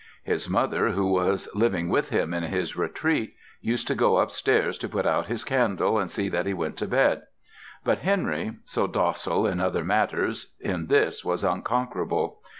His mother, who was living with him in his retreat, used to go upstairs to put out his candle and see that he went to bed; but Henry, so docile in other matters, in this was unconquerable.